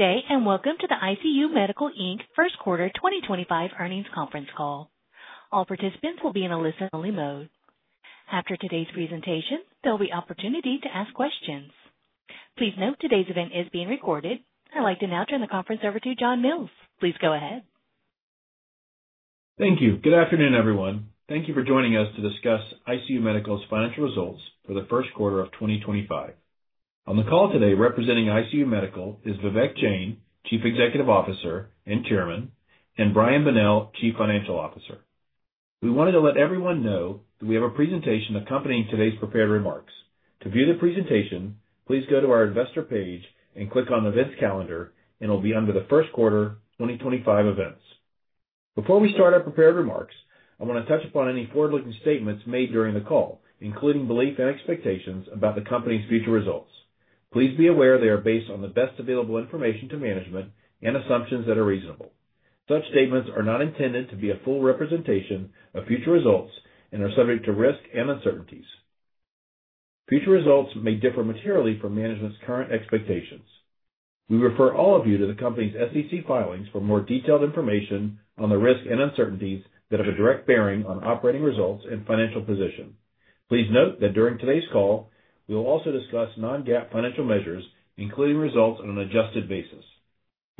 Today, and welcome to the ICU Medical, Inc First Quarter 2025 Earnings Conference Call. All participants will be in a listen-only mode. After today's presentation, there will be an opportunity to ask questions. Please note today's event is being recorded. I'd like to now turn the conference over to John Mills. Please go ahead. Thank you. Good afternoon, everyone. Thank you for joining us to discuss ICU Medical's financial results for the first quarter of 2025. On the call today, representing ICU Medical, is Vivek Jain, Chief Executive Officer and Chairman, and Brian Bonnell, Chief Financial Officer. We wanted to let everyone know that we have a presentation accompanying today's prepared remarks. To view the presentation, please go to our investor page and click on the events calendar, and it will be under the First Quarter 2025 events. Before we start our prepared remarks, I want to touch upon any forward-looking statements made during the call, including beliefs and expectations about the company's future results. Please be aware they are based on the best available information to management and assumptions that are reasonable. Such statements are not intended to be a full representation of future results and are subject to risk and uncertainties. Future results may differ materially from management's current expectations. We refer all of you to the company's SEC filings for more detailed information on the risks and uncertainties that have a direct bearing on operating results and financial position. Please note that during today's call, we will also discuss non-GAAP financial measures, including results on an adjusted basis.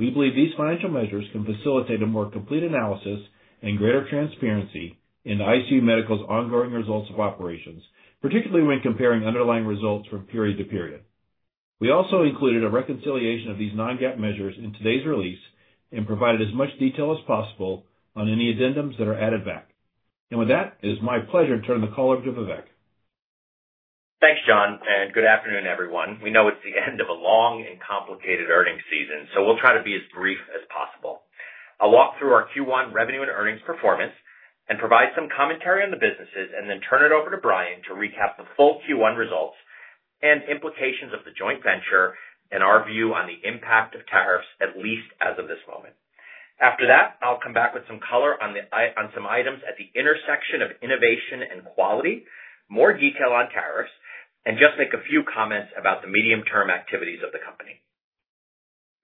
We believe these financial measures can facilitate a more complete analysis and greater transparency in ICU Medical's ongoing results of operations, particularly when comparing underlying results from period to period. We also included a reconciliation of these non-GAAP measures in today's release and provided as much detail as possible on any addendums that are added back. With that, it is my pleasure to turn the call over to Vivek. Thanks, John, and good afternoon, everyone. We know it's the end of a long and complicated earnings season, so we'll try to be as brief as possible. I'll walk through our Q1 revenue and earnings performance and provide some commentary on the businesses, and then turn it over to Brian to recap the full Q1 results and implications of the joint venture and our view on the impact of tariffs, at least as of this moment. After that, I'll come back with some color on some items at the intersection of innovation and quality, more detail on tariffs, and just make a few comments about the medium-term activities of the company.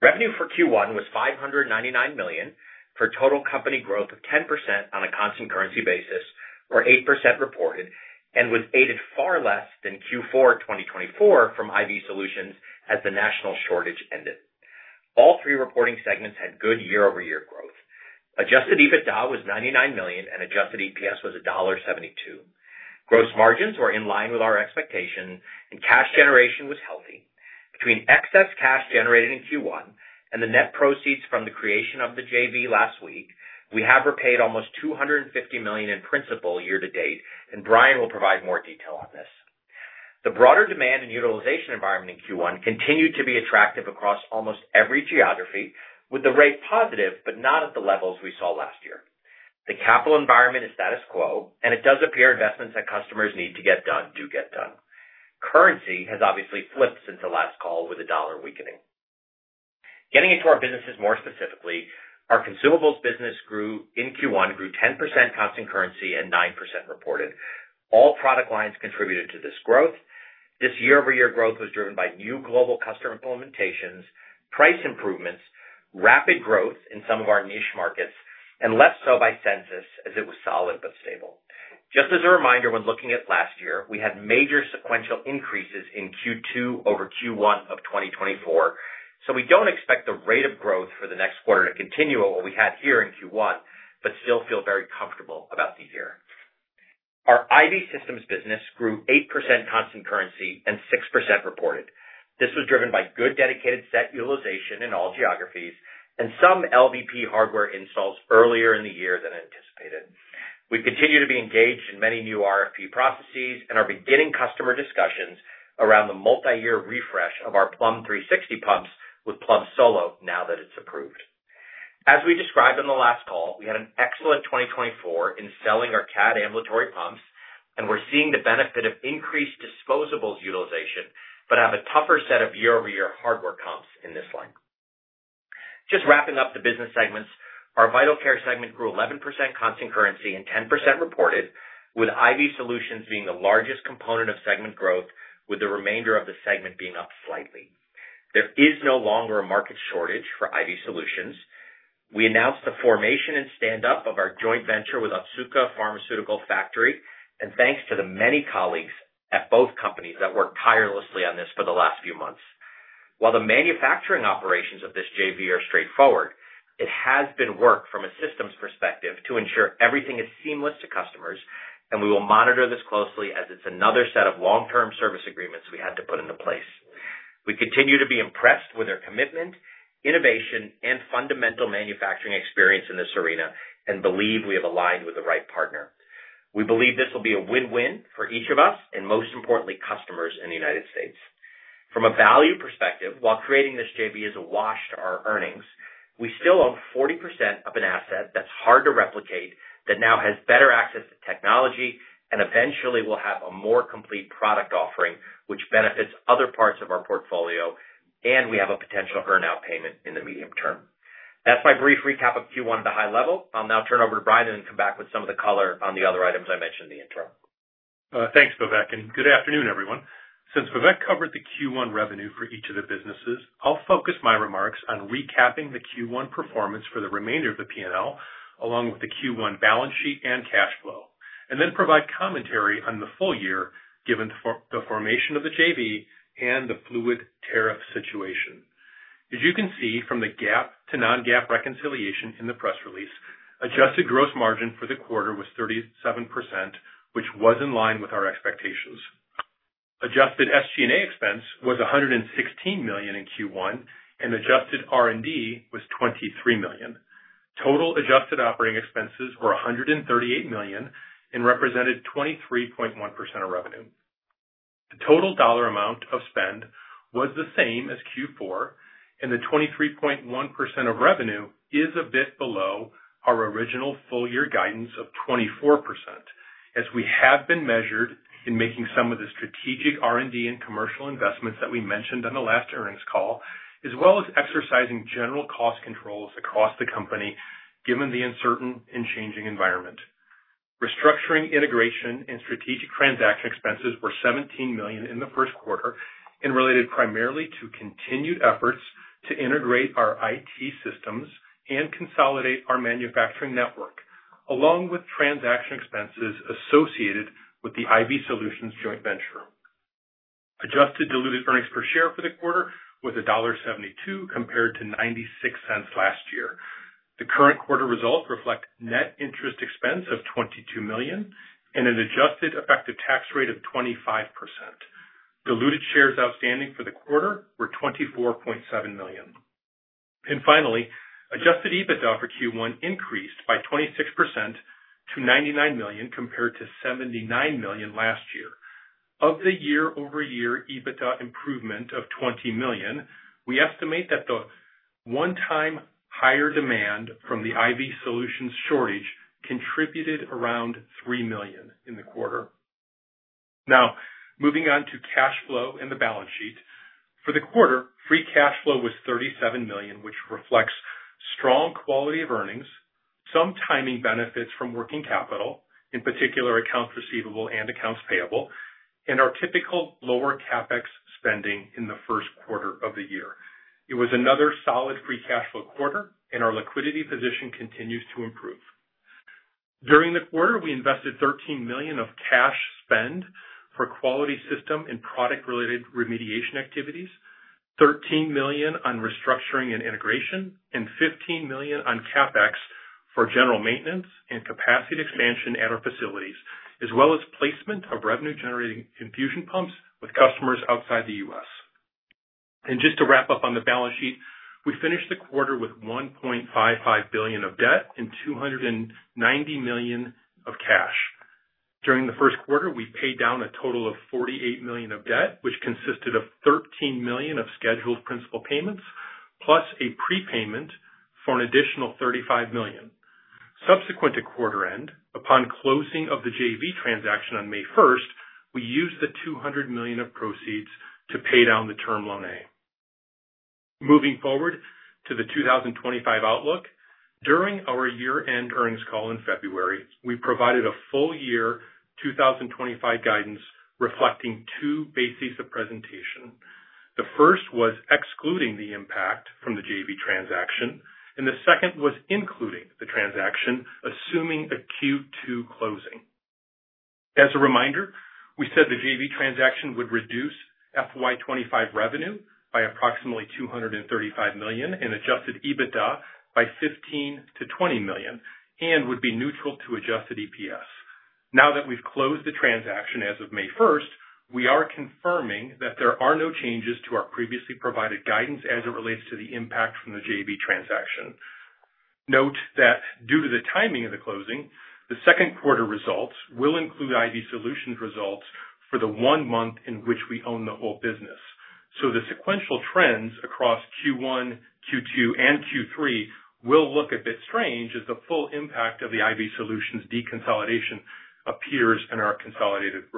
Revenue for Q1 was $599 million for total company growth of 10% on a constant currency basis, or 8% reported, and was aided far less than Q4 2024 from IV Solutions as the national shortage ended. All three reporting segments had good year-over-year growth. Adjusted EBITDA was $99 million, and adjusted EPS was $1.72. Gross margins were in line with our expectation, and cash generation was healthy. Between excess cash generated in Q1 and the net proceeds from the creation of the JV last week, we have repaid almost $250 million in principal year-to-date, and Brian will provide more detail on this. The broader demand and utilization environment in Q1 continued to be attractive across almost every geography, with the rate positive but not at the levels we saw last year. The capital environment is status quo, and it does appear investments that customers need to get done do get done. Currency has obviously flipped since the last call with a dollar weakening. Getting into our businesses more specifically, our consumables business grew in Q1, grew 10% constant currency and 9% reported. All product lines contributed to this growth. This year-over-year growth was driven by new global customer implementations, price improvements, rapid growth in some of our niche markets, and less so by census as it was solid but stable. Just as a reminder, when looking at last year, we had major sequential increases in Q2 over Q1 of 2024, so we do not expect the rate of growth for the next quarter to continue at what we had here in Q1, but still feel very comfortable about the year. Our IV systems business grew 8% constant currency and 6% reported. This was driven by good dedicated set utilization in all geographies and some LVP hardware installs earlier in the year than anticipated. We continue to be engaged in many new RFP processes and are beginning customer discussions around the multi-year refresh of our Plum 360 pumps with Plum Solo now that it's approved. As we described in the last call, we had an excellent 2024 in selling our CADDD ambulatory pumps, and we're seeing the benefit of increased disposables utilization but have a tougher set of year-over-year hardware comps in this line. Just wrapping up the business segments, our vital care segment grew 11% constant currency and 10% reported, with IV Solutions being the largest component of segment growth, with the remainder of the segment being up slightly. There is no longer a market shortage for IV Solutions. We announced the formation and stand-up of our joint venture with Otsuka Pharmaceutical Factory, and thanks to the many colleagues at both companies that worked tirelessly on this for the last few months. While the manufacturing operations of this JV are straightforward, it has been work from a systems perspective to ensure everything is seamless to customers, and we will monitor this closely as it's another set of long-term service agreements we had to put into place. We continue to be impressed with our commitment, innovation, and fundamental manufacturing experience in this arena and believe we have aligned with the right partner. We believe this will be a win-win for each of us and, most importantly, customers in the United States. From a value perspective, while creating this JV has washed our earnings, we still own 40% of an asset that's hard to replicate that now has better access to technology and eventually will have a more complete product offering which benefits other parts of our portfolio, and we have a potential earn-out payment in the medium term. That's my brief recap of Q1 at a high level. I'll now turn over to Brian and then come back with some of the color on the other items I mentioned in the interim. Thanks, Vivek, and good afternoon, everyone. Since Vivek covered the Q1 revenue for each of the businesses, I'll focus my remarks on recapping the Q1 performance for the remainder of the P&L, along with the Q1 balance sheet and cash flow, and then provide commentary on the full year given the formation of the JV and the fluid tariff situation. As you can see from the GAAP to non-GAAP reconciliation in the press release, adjusted gross margin for the quarter was 37%, which was in line with our expectations. Adjusted SG&A expense was $116 million in Q1, and adjusted R&D was $23 million. Total adjusted operating expenses were $138 million and represented 23.1% of revenue. The total dollar amount of spend was the same as Q4, and the 23.1% of revenue is a bit below our original full-year guidance of 24%, as we have been measured in making some of the strategic R&D and commercial investments that we mentioned on the last earnings call, as well as exercising general cost controls across the company given the uncertain and changing environment. Restructuring integration and strategic transaction expenses were $17 million in the first quarter and related primarily to continued efforts to integrate our IT systems and consolidate our manufacturing network, along with transaction expenses associated with the IV Solutions joint venture. Adjusted diluted earnings per share for the quarter was $1.72 compared to $0.96 last year. The current quarter results reflect net interest expense of $22 million and an adjusted effective tax rate of 25%. Diluted shares outstanding for the quarter were $24.7 million. Finally, adjusted EBITDA for Q1 increased by 26% to $99 million compared to $79 million last year. Of the year-over-year EBITDA improvement of $20 million, we estimate that the one-time higher demand from the IV Solutions shortage contributed around $3 million in the quarter. Now, moving on to cash flow and the balance sheet. For the quarter, free cash flow was $37 million, which reflects strong quality of earnings, some timing benefits from working capital, in particular accounts receivable and accounts payable, and our typical lower CapEx spending in the first quarter of the year. It was another solid free cash flow quarter, and our liquidity position continues to improve. During the quarter, we invested $13 million of cash spend for quality system and product-related remediation activities, $13 million on restructuring and integration, and $15 million on CapEx for general maintenance and capacity expansion at our facilities, as well as placement of revenue-generating infusion pumps with customers outside the U.S. Just to wrap up on the balance sheet, we finished the quarter with $1.55 billion of debt and $290 million of cash. During the first quarter, we paid down a total of $48 million of debt, which consisted of $13 million of scheduled principal payments plus a prepayment for an additional $35 million. Subsequent to quarter end, upon closing of the JV transaction on May 1st, we used the $200 million of proceeds to pay down the term loan. Moving forward to the 2025 outlook, during our year-end earnings call in February, we provided a full-year 2025 guidance reflecting two bases of presentation. The first was excluding the impact from the JV transaction, and the second was including the transaction, assuming a Q2 closing. As a reminder, we said the JV transaction would reduce FY 2025 revenue by approximately $235 million and adjusted EBITDA by $15 million-$20 million and would be neutral to adjusted EPS. Now that we've closed the transaction as of May 1st, we are confirming that there are no changes to our previously provided guidance as it relates to the impact from the JV transaction. Note that due to the timing of the closing, the second quarter results will include IV Solutions results for the one month in which we own the whole business. The sequential trends across Q1, Q2, and Q3 will look a bit strange as the full impact of the IV Solutions deconsolidation appears in our consolidated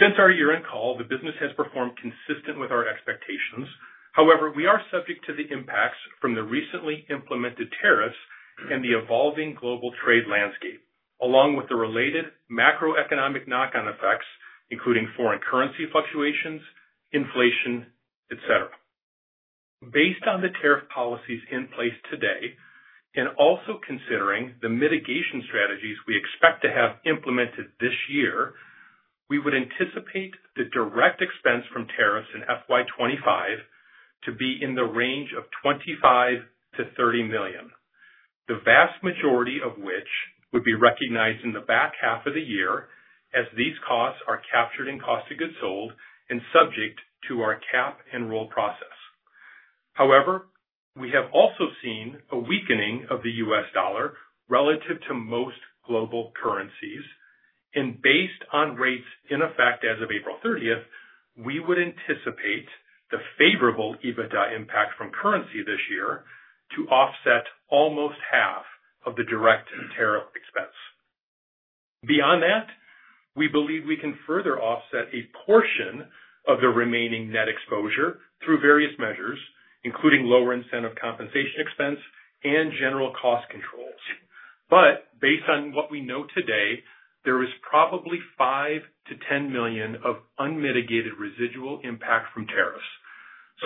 reporting. Since our year-end call, the business has performed consistent with our expectations. However, we are subject to the impacts from the recently implemented tariffs and the evolving global trade landscape, along with the related macroeconomic knock-on effects, including foreign currency fluctuations, inflation, etc. Based on the tariff policies in place today and also considering the mitigation strategies we expect to have implemented this year, we would anticipate the direct expense from tariffs in FY 2025 to be in the range of $25 million-$30 million, the vast majority of which would be recognized in the back half of the year as these costs are captured in cost of goods sold and subject to our cap and roll process. However, we have also seen a weakening of the US dollar relative to most global currencies, and based on rates in effect as of April 30, we would anticipate the favorable EBITDA impact from currency this year to offset almost half of the direct tariff expense. Beyond that, we believe we can further offset a portion of the remaining net exposure through various measures, including lower incentive compensation expense and general cost controls. Based on what we know today, there is probably $5 million-$10 million of unmitigated residual impact from tariffs.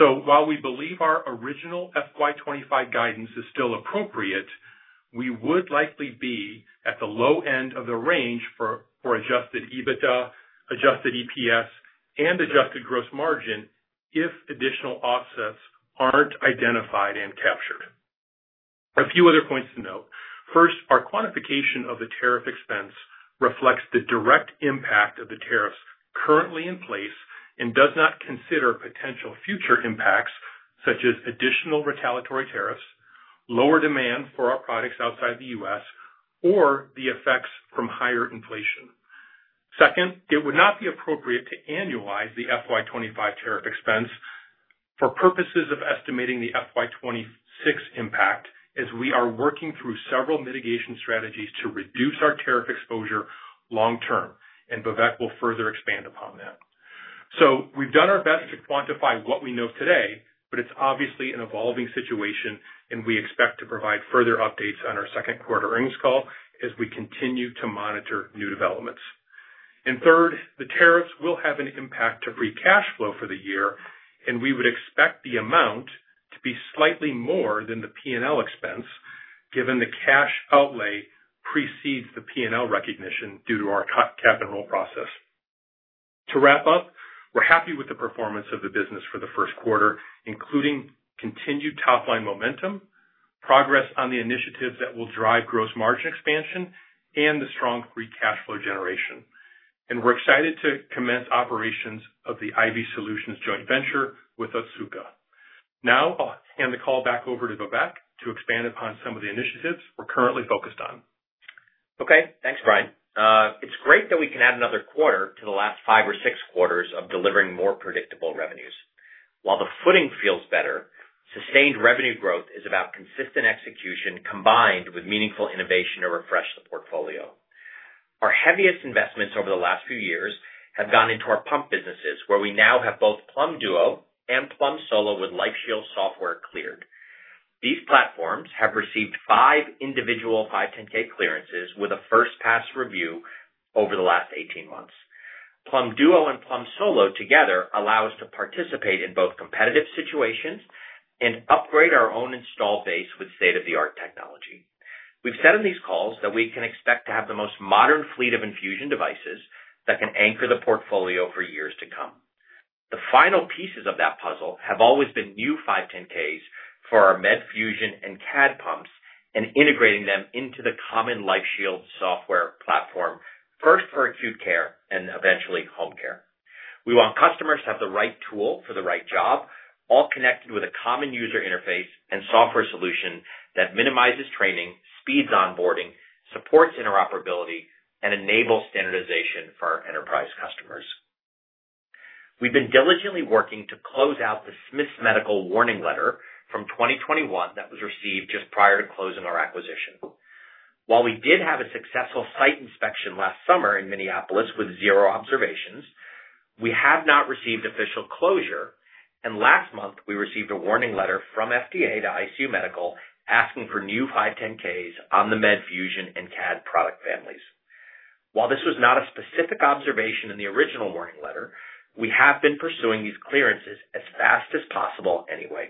While we believe our original FY 2025 guidance is still appropriate, we would likely be at the low end of the range for adjusted EBITDA, adjusted EPS, and adjusted gross margin if additional offsets are not identified and captured. A few other points to note. First, our quantification of the tariff expense reflects the direct impact of the tariffs currently in place and does not consider potential future impacts such as additional retaliatory tariffs, lower demand for our products outside the U.S., or the effects from higher inflation. Second, it would not be appropriate to annualize the FY 2025 tariff expense for purposes of estimating the FY 2026 impact as we are working through several mitigation strategies to reduce our tariff exposure long-term, and Vivek will further expand upon that. We have done our best to quantify what we know today, but it is obviously an evolving situation, and we expect to provide further updates on our second quarter earnings call as we continue to monitor new developments. Third, the tariffs will have an impact to free cash flow for the year, and we would expect the amount to be slightly more than the P&L expense given the cash outlay precedes the P&L recognition due to our cap and roll process. To wrap up, we're happy with the performance of the business for the first quarter, including continued top-line momentum, progress on the initiatives that will drive gross margin expansion, and the strong free cash flow generation. We're excited to commence operations of the IV Solutions joint venture with Otsuka. Now I'll hand the call back over to Vivek to expand upon some of the initiatives we're currently focused on. Okay. Thanks, Brian. It's great that we can add another quarter to the last five or six quarters of delivering more predictable revenues. While the footing feels better, sustained revenue growth is about consistent execution combined with meaningful innovation to refresh the portfolio. Our heaviest investments over the last few years have gone into our pump businesses, where we now have both Plum Duo and Plum Solo with LifeShield Software cleared. These platforms have received five individual 510(k) clearances with a first-pass review over the last 18 months. Plum Duo and Plum Solo together allow us to participate in both competitive situations and upgrade our own install base with state-of-the-art technology. We've said in these calls that we can expect to have the most modern fleet of infusion devices that can anchor the portfolio for years to come. The final pieces of that puzzle have always been new 510(k)s for our Medfusion and CADD pumps and integrating them into the common LifeShield Software platform, first for acute care and eventually home care. We want customers to have the right tool for the right job, all connected with a common user interface and software solution that minimizes training, speeds onboarding, supports interoperability, and enables standardization for our enterprise customers. We've been diligently working to close out the Smiths Medical warning letter from 2021 that was received just prior to closing our acquisition. While we did have a successful site inspection last summer in Minneapolis with zero observations, we have not received official closure, and last month we received a warning letter from FDA to ICU Medical asking for new 510(k)s on the Medfusion and CADD product families. While this was not a specific observation in the original warning letter, we have been pursuing these clearances as fast as possible anyway.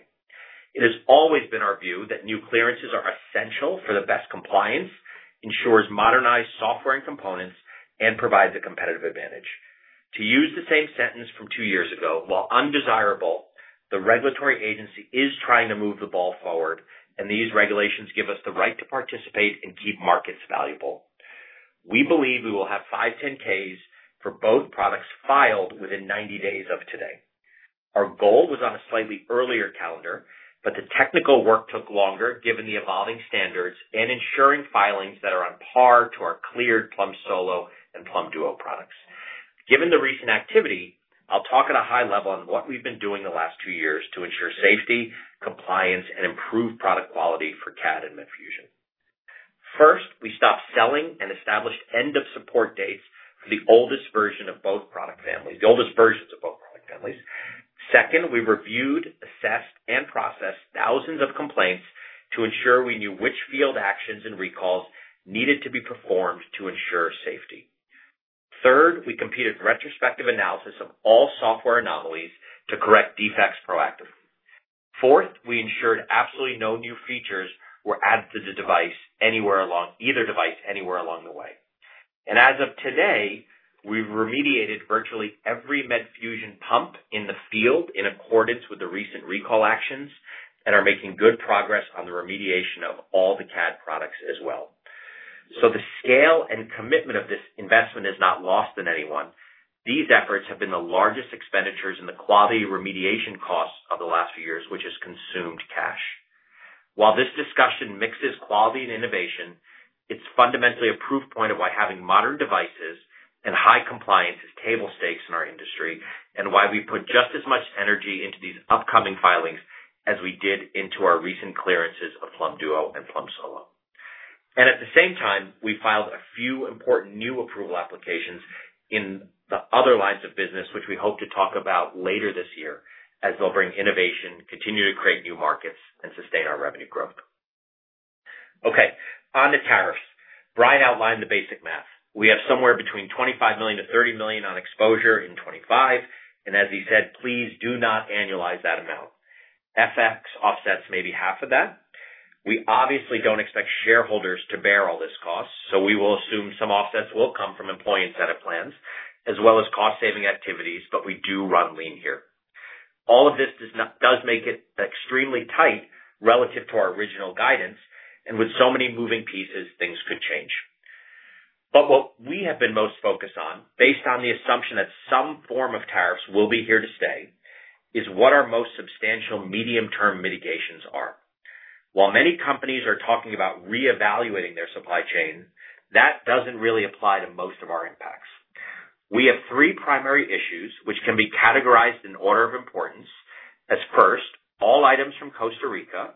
It has always been our view that new clearances are essential for the best compliance, ensures modernized software and components, and provides a competitive advantage. To use the same sentence from two years ago, while undesirable, the regulatory agency is trying to move the ball forward, and these regulations give us the right to participate and keep markets valuable. We believe we will have 510(k)s for both products filed within 90 days of today. Our goal was on a slightly earlier calendar, but the technical work took longer given the evolving standards and ensuring filings that are on par to our cleared Plum Solo and Plum Duo products. Given the recent activity, I'll talk at a high level on what we've been doing the last two years to ensure safety, compliance, and improved product quality for CADD and Medfusion. First, we stopped selling and established end-of-support dates for the oldest versions of both product families. Second, we reviewed, assessed, and processed thousands of complaints to ensure we knew which field actions and recalls needed to be performed to ensure safety. Third, we completed retrospective analysis of all software anomalies to correct defects proactively. Fourth, we ensured absolutely no new features were added to the device anywhere along either device anywhere along the way. As of today, we've remediated virtually every Medfusion pump in the field in accordance with the recent recall actions and are making good progress on the remediation of all the CADD products as well. The scale and commitment of this investment is not lost on anyone. These efforts have been the largest expenditures in the quality remediation costs of the last few years, which has consumed cash. While this discussion mixes quality and innovation, it's fundamentally a proof point of why having modern devices and high compliance is table stakes in our industry and why we put just as much energy into these upcoming filings as we did into our recent clearances of Plum Duo and Plum Solo. At the same time, we filed a few important new approval applications in the other lines of business, which we hope to talk about later this year as they'll bring innovation, continue to create new markets, and sustain our revenue growth. Okay. On the tariffs, Brian outlined the basic math. We have somewhere between $25 million-$30 million on exposure in 2025, and as he said, please do not annualize that amount. FX offsets maybe half of that. We obviously do not expect shareholders to bear all this cost, so we will assume some offsets will come from employee incentive plans as well as cost-saving activities, but we do run lean here. All of this does make it extremely tight relative to our original guidance, and with so many moving pieces, things could change. What we have been most focused on, based on the assumption that some form of tariffs will be here to stay, is what our most substantial medium-term mitigations are. While many companies are talking about reevaluating their supply chain, that does not really apply to most of our impacts. We have three primary issues, which can be categorized in order of importance. As first, all items from Costa Rica.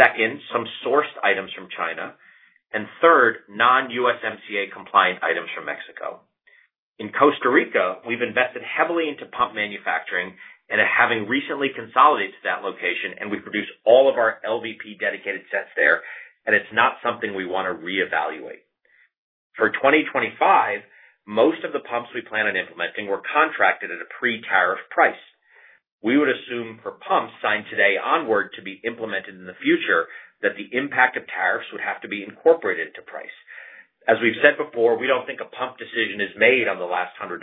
Second, some sourced items from China. Third, non-USMCA compliant items from Mexico. In Costa Rica, we've invested heavily into pump manufacturing and have recently consolidated to that location, and we produce all of our LVP dedicated sets there, and it's not something we want to reevaluate. For 2025, most of the pumps we plan on implementing were contracted at a pre-tariff price. We would assume for pumps signed today onward to be implemented in the future that the impact of tariffs would have to be incorporated into price. As we've said before, we don't think a pump decision is made on the last $100,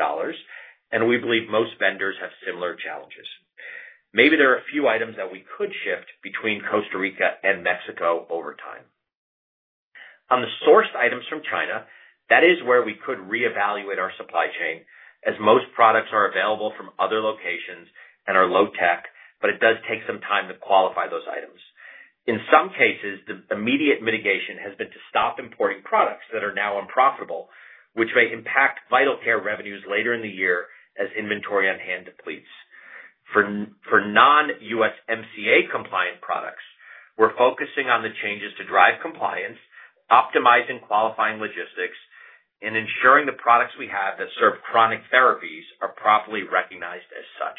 and we believe most vendors have similar challenges. Maybe there are a few items that we could shift between Costa Rica and Mexico over time. On the sourced items from China, that is where we could reevaluate our supply chain as most products are available from other locations and are low-tech, but it does take some time to qualify those items. In some cases, the immediate mitigation has been to stop importing products that are now unprofitable, which may impact vital care revenues later in the year as inventory on hand depletes. For non-USMCA compliant products, we're focusing on the changes to drive compliance, optimizing qualifying logistics, and ensuring the products we have that serve chronic therapies are properly recognized as such.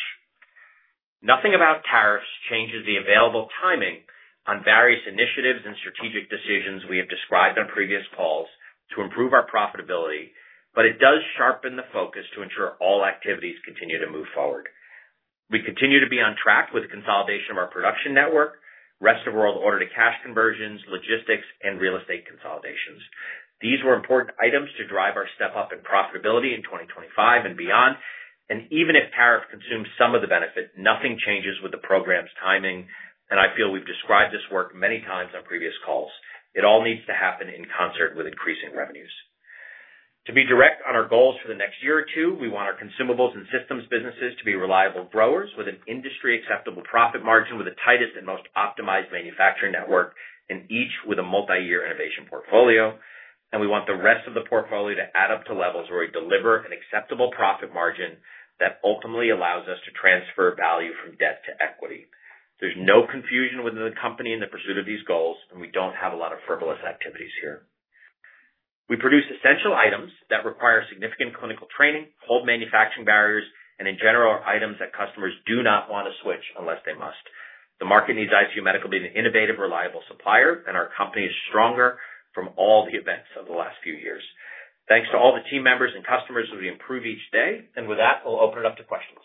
Nothing about tariffs changes the available timing on various initiatives and strategic decisions we have described on previous calls to improve our profitability, but it does sharpen the focus to ensure all activities continue to move forward. We continue to be on track with the consolidation of our production network, rest of world order-to-cash conversions, logistics, and real estate consolidations. These were important items to drive our step-up in profitability in 2025 and beyond, and even if tariffs consume some of the benefit, nothing changes with the program's timing, and I feel we've described this work many times on previous calls. It all needs to happen in concert with increasing revenues. To be direct on our goals for the next year or two, we want our consumables and systems businesses to be reliable growers with an industry-acceptable profit margin with the tightest and most optimized manufacturing network, and each with a multi-year innovation portfolio, and we want the rest of the portfolio to add up to levels where we deliver an acceptable profit margin that ultimately allows us to transfer value from debt to equity. There's no confusion within the company in the pursuit of these goals, and we don't have a lot of frivolous activities here. We produce essential items that require significant clinical training, hold manufacturing barriers, and in general, are items that customers do not want to switch unless they must. The market needs ICU Medical to be an innovative, reliable supplier, and our company is stronger from all the events of the last few years. Thanks to all the team members and customers as we improve each day, and with that, we'll open it up to questions.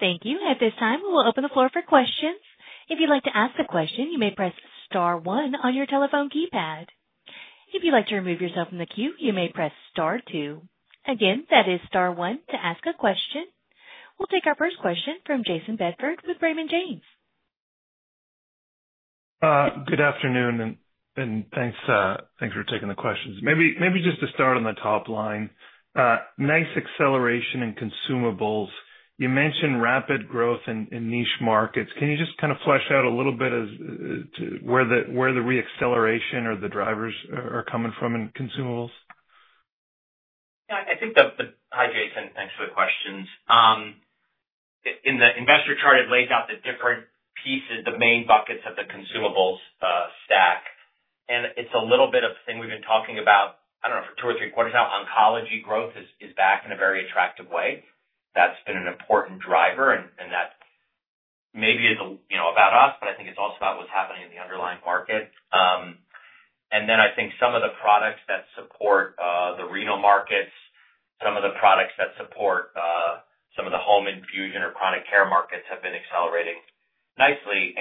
Thank you. At this time, we will open the floor for questions. If you'd like to ask a question, you may press star one on your telephone keypad. If you'd like to remove yourself from the queue, you may press star two. Again, that is star one to ask a question. We'll take our first question from Jayson Bedford with Raymond James. Good afternoon, and thanks for taking the questions. Maybe just to start on the top line, nice acceleration in consumables. You mentioned rapid growth in niche markets. Can you just kind of flesh out a little bit as to where the reacceleration or the drivers are coming from in consumables? Yeah. I think that the hi, Jayson. Thanks for the questions. In the investor chart, it lays out the different pieces, the main buckets of the consumables stack, and it's a little bit of a thing we've been talking about, I don't know, for two or three quarters now. Oncology growth is back in a very attractive way. That's been an important driver, and that maybe is about us, but I think it's also about what's happening in the underlying market. I think some of the products that support the renal markets, some of the products that support some of the home infusion or chronic care markets have been accelerating nicely.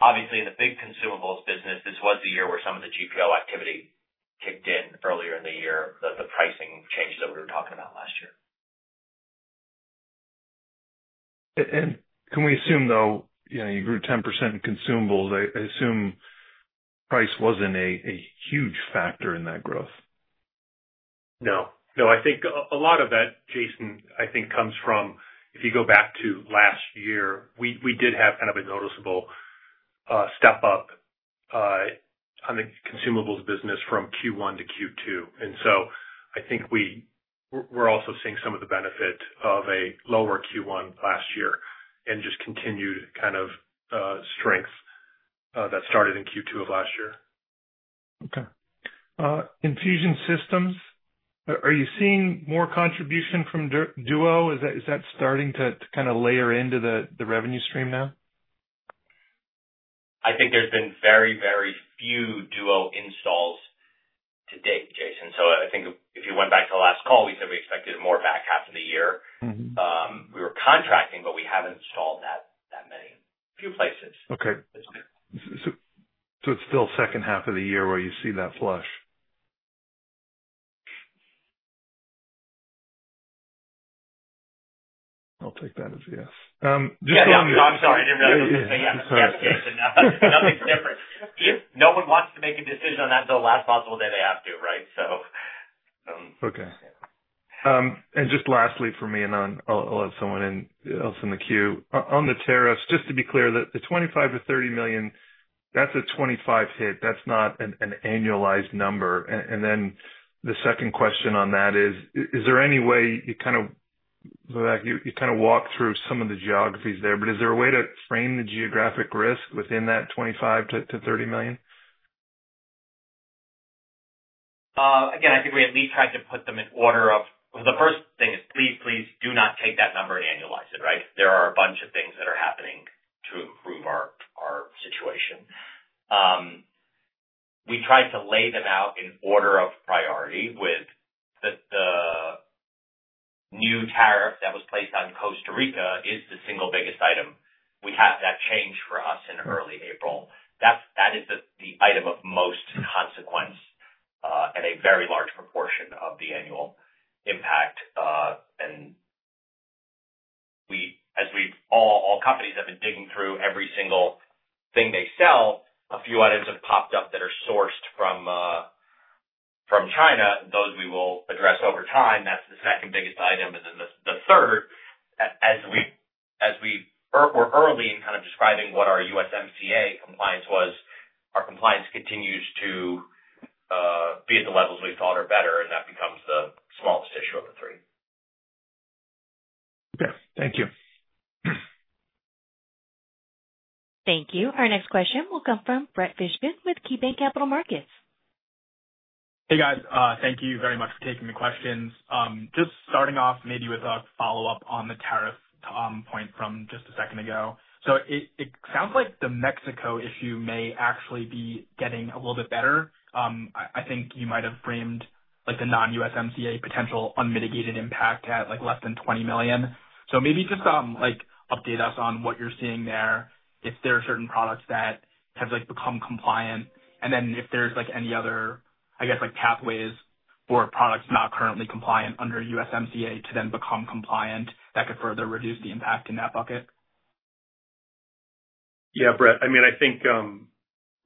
Obviously, in the big consumables business, this was the year where some of the GPO activity kicked in earlier in the year, the pricing changes that we were talking about last year. Can we assume, though, you grew 10% in consumables? I assume price wasn't a huge factor in that growth. No. No. I think a lot of that, Jason, I think comes from if you go back to last year, we did have kind of a noticeable step-up on the consumables business from Q1 to Q2. I think we're also seeing some of the benefit of a lower Q1 last year and just continued kind of strength that started in Q2 of last year. Okay. Infusion systems, are you seeing more contribution from Duo? Is that starting to kind of layer into the revenue stream now? I think there's been very, very few Duo installs to date, Jason. I think if you went back to the last call, we said we expected more back half of the year. We were contracting, but we haven't installed that many. A few places. Okay. So it's still second half of the year where you see that flush? I'll take that as yes. Just so I'm not. Yeah. I'm sorry. I didn't realize you were going to say yes. Yes, Jason. Nothing's different. No one wants to make a decision on that until the last possible day they have to, right? Okay. And just lastly for me, and I'll have someone else in the queue, on the tariffs, just to be clear, the $25 million-$30 million, that's a $25 million hit. That's not an annualized number. And then the second question on that is, is there any way you kind of walk through some of the geographies there, but is there a way to frame the geographic risk within that $25 million-$30 million? Again, I think we at least tried to put them in order of the first thing is, please, please do not take that number and annualize it, right? There are a bunch of things that are happening to improve our situation. We tried to lay them out in order of priority with the new tariff that was placed on Costa Rica is the single biggest item. We had that change for us in early April. That is the item of most consequence at a very large proportion of the annual impact. As all companies have been digging through every single thing they sell, a few items have popped up that are sourced from China. Those we will address over time. That's the second biggest item. The third, as we were early in kind of describing what our USMCA compliance was, our compliance continues to be at the levels we thought or better, and that becomes the smallest issue of the three. Okay. Thank you. Thank you. Our next question will come from Brett Fishman with KeyBanc Capital Markets. Hey, guys. Thank you very much for taking the questions. Just starting off maybe with a follow-up on the tariff point from just a second ago. It sounds like the Mexico issue may actually be getting a little bit better. I think you might have framed the non-USMCA potential unmitigated impact at less than $20 million. Maybe just update us on what you're seeing there. Is there certain products that have become compliant? If there's any other, I guess, pathways for products not currently compliant under USMCA to then become compliant, that could further reduce the impact in that bucket? Yeah, Brett. I mean, I think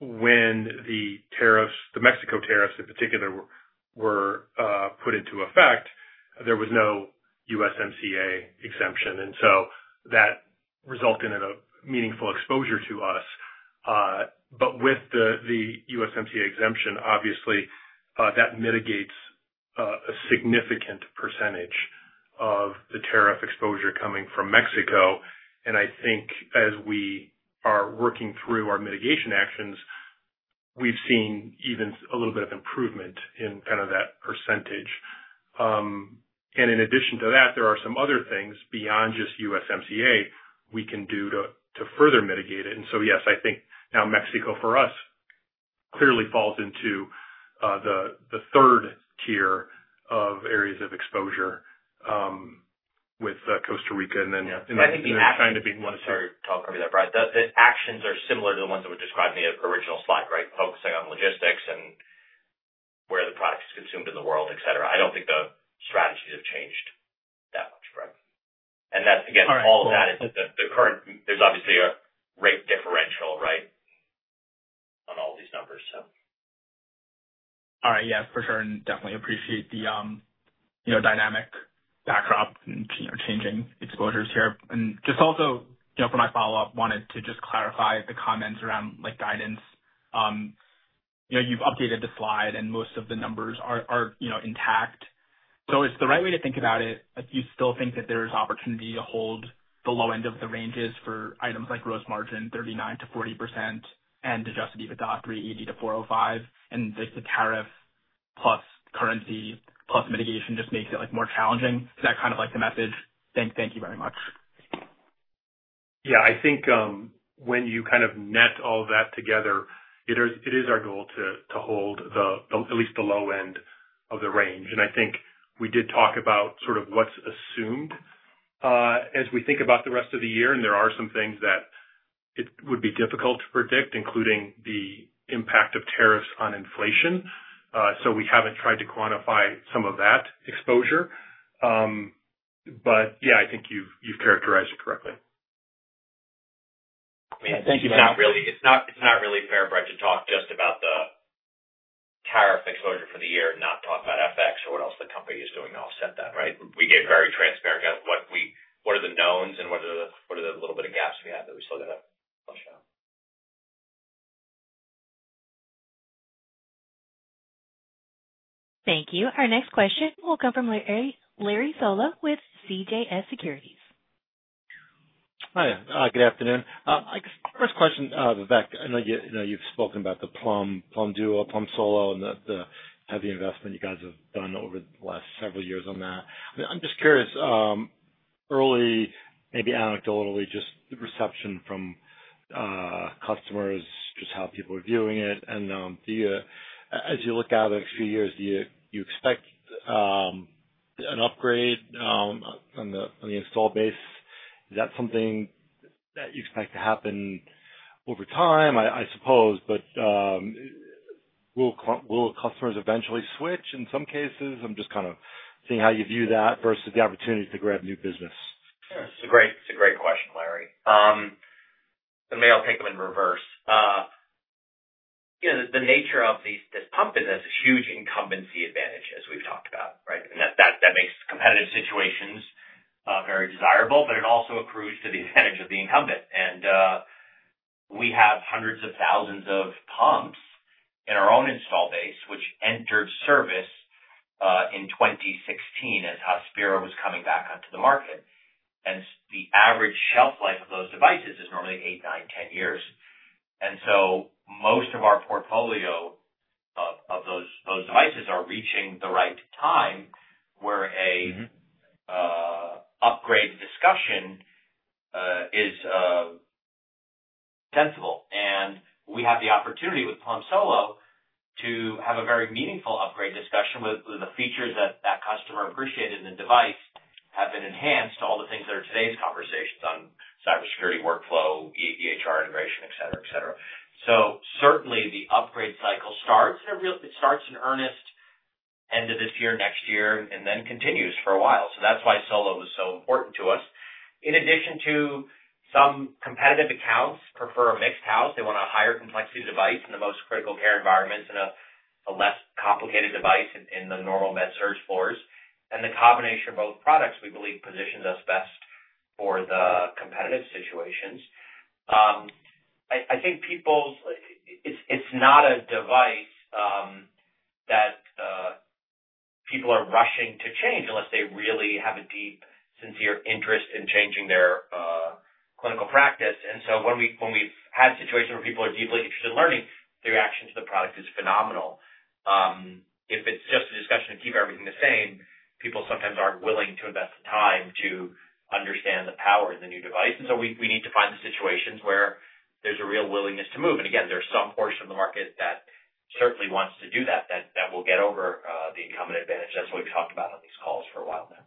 when the tariffs, the Mexico tariffs in particular, were put into effect, there was no USMCA exemption, and so that resulted in a meaningful exposure to us. With the USMCA exemption, obviously, that mitigates a significant percentage of the tariff exposure coming from Mexico. I think as we are working through our mitigation actions, we've seen even a little bit of improvement in kind of that percentage. In addition to that, there are some other things beyond just USMCA we can do to further mitigate it. Yes, I think now Mexico for us clearly falls into the third tier of areas of exposure with Costa Rica and then U.S. being one of two. Sorry to talk over there, Brian. The actions are similar to the ones that were described in the original slide, right? Focusing on logistics and where the product is consumed in the world, etc. I do not think the strategies have changed that much, right? That, again, all of that is the current, there is obviously a rate differential, right, on all these numbers. All right. Yeah. For sure. And definitely appreciate the dynamic backdrop and changing exposures here. And just also for my follow-up, wanted to just clarify the comments around guidance. You've updated the slide, and most of the numbers are intact. So it's the right way to think about it. You still think that there is opportunity to hold the low end of the ranges for items like gross margin 39%-40% and adjusted EBITDA $380 million-$405 million, and the tariff plus currency plus mitigation just makes it more challenging? Is that kind of the message? Thank you very much. Yeah. I think when you kind of net all that together, it is our goal to hold at least the low end of the range. I think we did talk about sort of what's assumed as we think about the rest of the year, and there are some things that it would be difficult to predict, including the impact of tariffs on inflation. We haven't tried to quantify some of that exposure. Yeah, I think you've characterized it correctly. Thank you, Brian. It's not really fair, Brett, to talk just about the tariff exposure for the year and not talk about FX or what else the company is doing. I'll set that, right? We get very transparent about what are the knowns and what are the little bit of gaps we have that we still got to flush out. Thank you. Our next question will come from Larry Solow with CJS Securities. Hi. Good afternoon. First question, Vivek, I know you've spoken about the Plum Duo, Plum Solo, and the heavy investment you guys have done over the last several years on that. I'm just curious, early, maybe anecdotally, just the reception from customers, just how people are viewing it. As you look out over the next few years, do you expect an upgrade on the install base? Is that something that you expect to happen over time? I suppose. Will customers eventually switch in some cases? I'm just kind of seeing how you view that versus the opportunity to grab new business. It's a great question, Larry. Maybe I'll take them in reverse. The nature of this pump is a huge incumbency advantage, as we've talked about, right? That makes competitive situations very desirable, but it also accrues to the advantage of the incumbent. We have hundreds of thousands of pumps in our own install base, which entered service in 2016 as Hospira was coming back onto the market. The average shelf life of those devices is normally 8, 9, 10 years. Most of our portfolio of those devices are reaching the right time where an upgrade discussion is sensible. We have the opportunity with Plum Solo to have a very meaningful upgrade discussion with the features that that customer appreciated in the device have been enhanced to all the things that are today's conversations on cybersecurity, workflow, EHR integration, etc., etc. Certainly, the upgrade cycle starts in earnest end of this year, next year, and then continues for a while. That is why Solo was so important to us. In addition to some competitive accounts prefer a mixed house, they want a higher complexity device in the most critical care environments and a less complicated device in the normal med-surg floors. The combination of both products, we believe, positions us best for the competitive situations. I think it is not a device that people are rushing to change unless they really have a deep, sincere interest in changing their clinical practice. When we have had situations where people are deeply interested in learning, their reaction to the product is phenomenal. If it is just a discussion to keep everything the same, people sometimes are not willing to invest the time to understand the power in the new device. We need to find the situations where there is a real willingness to move. Again, there is some portion of the market that certainly wants to do that, that will get over the incumbent advantage. That is what we have talked about on these calls for a while now.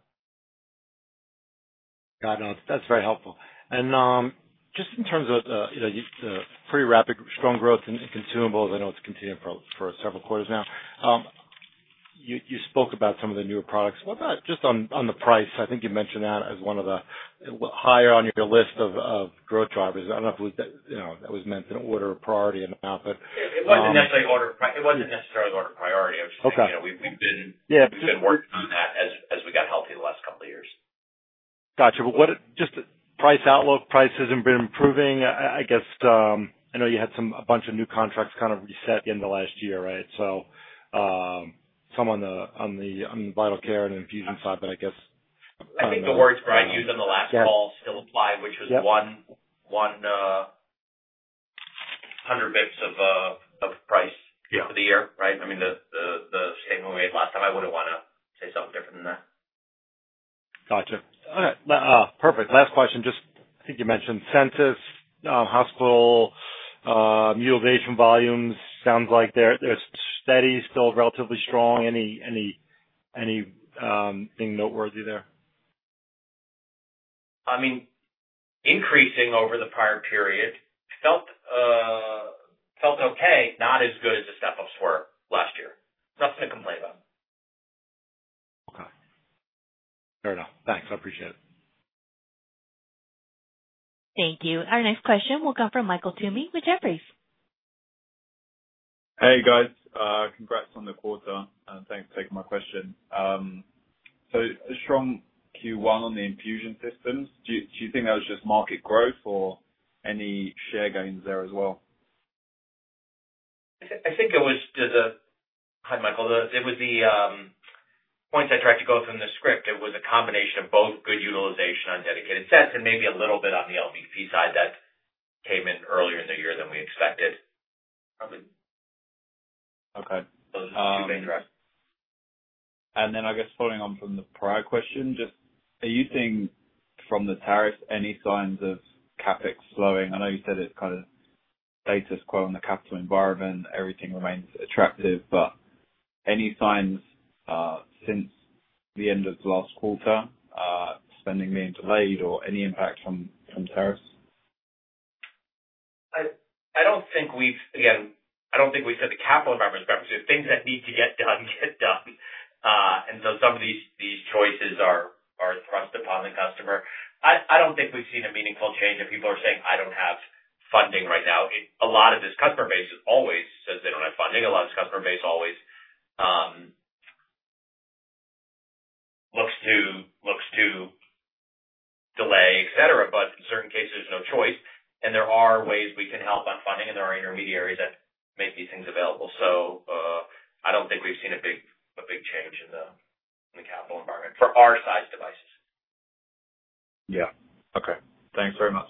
Got it. That's very helpful. Just in terms of the pretty rapid strong growth in consumables, I know it's continuing for several quarters now. You spoke about some of the newer products. Just on the price, I think you mentioned that as one of the higher on your list of growth drivers. I don't know if that was meant an order of priority or not. It wasn't necessarily order of priority. We've been working on that as we got healthy the last couple of years. Gotcha. But just price outlook, prices have been improving. I guess I know you had a bunch of new contracts kind of reset in the last year, right? So some on the critical care and infusion side, but I guess. I think the words Brian used on the last call still apply, which was 100 basis points of price for the year, right? I mean, the statement we made last time, I would not want to say something different than that. Gotcha. All right. Perfect. Last question. Just I think you mentioned census, hospital, utilization volumes. Sounds like they're steady, still relatively strong. Anything noteworthy there? I mean, increasing over the prior period felt okay. Not as good as the step-ups were last year. Nothing to complain about. Okay. Fair enough. Thanks. I appreciate it. Thank you. Our next question will come from Michael Toomey with Jefferies. Hey, guys. Congrats on the quarter. Thanks for taking my question. A strong Q1 on the infusion systems. Do you think that was just market growth or any share gains there as well? I think it was just a hi, Michael. It was the points I tried to go from the script. It was a combination of both good utilization on dedicated sets and maybe a little bit on the LVP side that came in earlier in the year than we expected. Okay. Those are two main drivers. I guess following on from the prior question, just are you seeing from the tariffs any signs of CapEx slowing? I know you said it's kind of status quo in the capital environment. Everything remains attractive. Any signs since the end of the last quarter, spending being delayed, or any impact from tariffs? I don't think we've, again, I don't think we've said the capital environment is grappling with things that need to get done, get done. Some of these choices are thrust upon the customer. I don't think we've seen a meaningful change if people are saying, "I don't have funding right now." A lot of this customer base always says they don't have funding. A lot of this customer base always looks to delay, etc. In certain cases, there's no choice. There are ways we can help on funding, and there are intermediaries that make these things available. I don't think we've seen a big change in the capital environment for our size devices. Yeah. Okay. Thanks very much.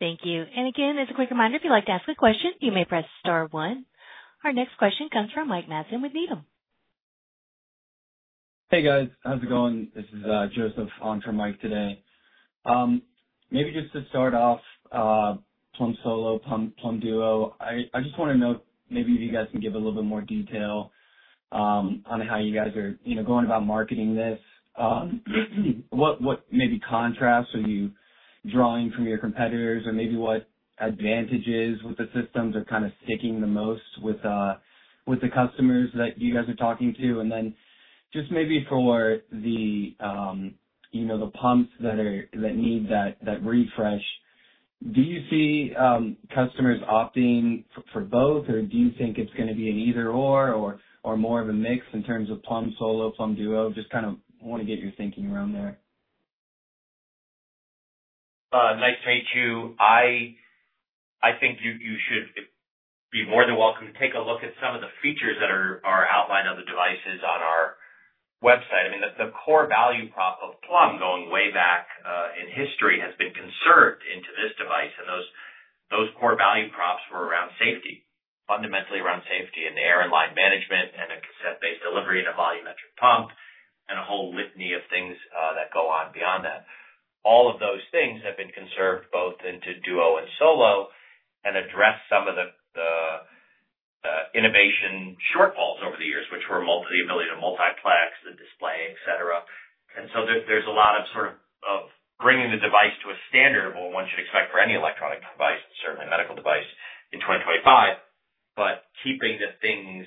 Thank you. As a quick reminder, if you'd like to ask a question, you may press star one. Our next question comes from Mike Matson with Needham. Hey, guys. How's it going? This is Joseph on for Mike today. Maybe just to start off, Plum Solo, Plum Duo, I just want to know maybe if you guys can give a little bit more detail on how you guys are going about marketing this. What maybe contrasts are you drawing from your competitors? Or maybe what advantages with the systems are kind of sticking the most with the customers that you guys are talking to? And then just maybe for the pumps that need that refresh, do you see customers opting for both? Or do you think it's going to be an either/or or more of a mix in terms of Plum Solo, Plum Duo? Just kind of want to get your thinking around there. Nice to meet you. I think you should be more than welcome to take a look at some of the features that are outlined on the devices on our website. I mean, the core value prop of Plum going way back in history has been conserved into this device. And those core value props were around safety, fundamentally around safety and air and line management and a cassette-based delivery and a volumetric pump and a whole litany of things that go on beyond that. All of those things have been conserved both into Duo and Solo and address some of the innovation shortfalls over the years, which were the ability to multiplex the display, etc. There is a lot of sort of bringing the device to a standard of what one should expect for any electronic device, certainly medical device, in 2025, but keeping the things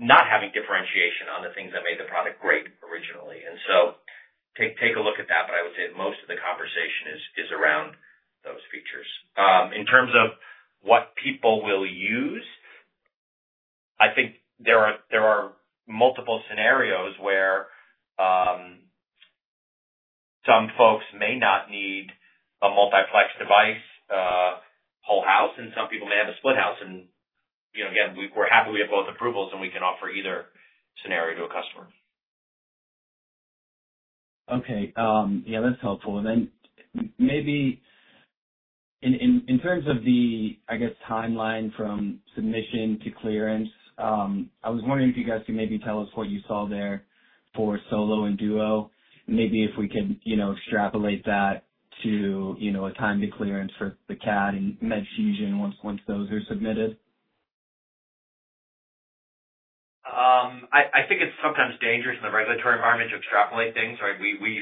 not having differentiation on the things that made the product great originally. Take a look at that. I would say most of the conversation is around those features. In terms of what people will use, I think there are multiple scenarios where some folks may not need a multiplex device whole house, and some people may have a split house. We are happy we have both approvals, and we can offer either scenario to a customer. Okay. Yeah, that's helpful. Maybe in terms of the, I guess, timeline from submission to clearance, I was wondering if you guys could maybe tell us what you saw there for Solo and Duo, maybe if we could extrapolate that to a time to clearance for the CADD and Medfusion once those are submitted. I think it's sometimes dangerous in the regulatory environment to extrapolate things, right? We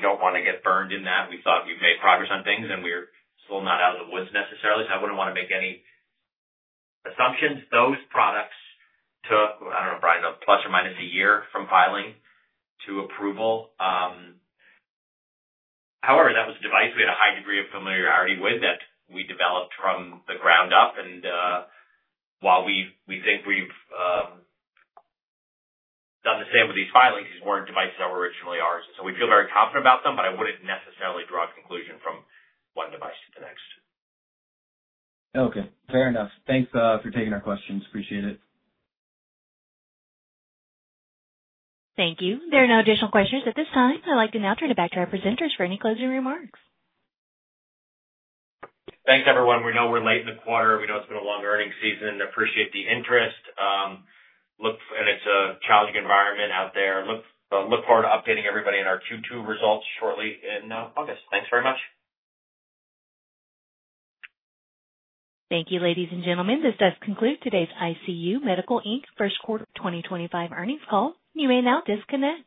don't want to get burned in that. We thought we've made progress on things, and we're still not out of the woods necessarily. I wouldn't want to make any assumptions. Those products took, I don't know, Brian, a plus or minus a year from filing to approval. However, that was a device we had a high degree of familiarity with that we developed from the ground up. And while we think we've done the same with these filings, these weren't devices that were originally ours. We feel very confident about them, but I wouldn't necessarily draw a conclusion from one device to the next. Okay. Fair enough. Thanks for taking our questions. Appreciate it. Thank you. There are no additional questions at this time. I'd like to now turn it back to our presenters for any closing remarks. Thanks, everyone. We know we're late in the quarter. We know it's been a long earning season. Appreciate the interest. It's a challenging environment out there. Look forward to updating everybody on our Q2 results shortly in August. Thanks very much. Thank you, ladies and gentlemen. This does conclude today's ICU Medical, Inc First Quarter 2025 Earnings Call. You may now disconnect.